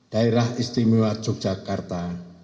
daerah istimewa yogyakarta